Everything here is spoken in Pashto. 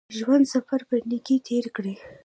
د ژوند سفر په نېکۍ تېر کړئ.